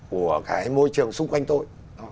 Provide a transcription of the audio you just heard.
của cái môi trường xung quanh tôi